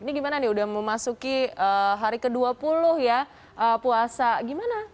ini gimana nih udah memasuki hari ke dua puluh ya puasa gimana